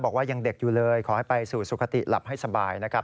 บอกว่ายังเด็กอยู่เลยขอให้ไปสู่สุขติหลับให้สบายนะครับ